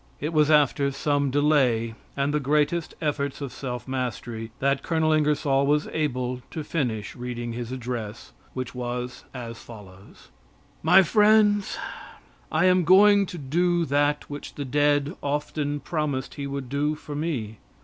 It was after some delay and the greatest efforts of self mastery, that Col. Ingersoll was able to finish reading his address, which was as follows: My Friends: I am going to do that which the dead often promised he would do for me.